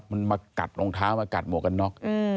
มันมากัดรองเท้ามากัดหมวกกันน็อก